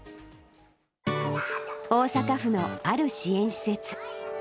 大阪府のある支援施設。